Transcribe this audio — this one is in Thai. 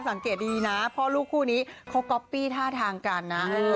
สังเกตดีนะพ่อลูกคู่นี้เขาก๊อปปี้ท่าทางกันนะ